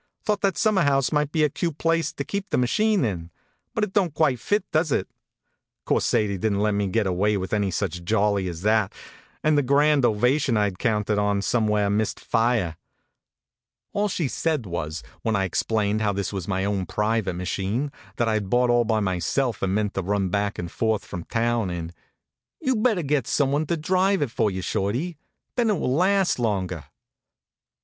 Thought that summer house might be a cute place to keep the machine in; but it don t quite fit, does it? " Course, Sadie didn t let me get away with any such jolly as that, and the grand ovation I d counted on somehow missed fire. All she said was, when I explained how this was my own private machine, that I d bought all by myself and meant to run back and forth from town in: " You d better get some one to drive it for you, Shorty. Then it will last longer."